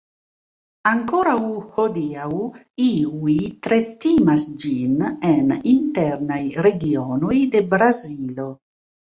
Ankoraŭ hodiaŭ, iuj tre timas ĝin en internaj regionoj de Brazilo.